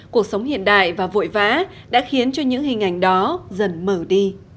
cuộc sống hiện đại và vội vã đã khiến cho những hình ảnh đó dần mở đi